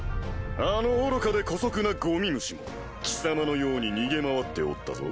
あの愚かで姑息なゴミ虫も貴様のように逃げ回っておったぞ。